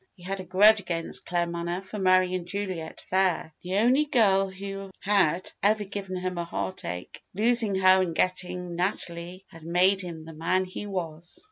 He had a grudge against Claremanagh for marrying Juliet Phayre, the only girl who bad ever given him a heartache. Losing her and getting Natalie had made him the man he was.